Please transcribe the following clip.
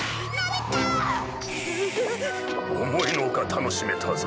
思いの外楽しめたぞ。